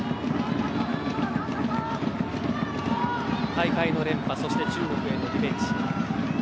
大会連覇そして中国へのリベンジ。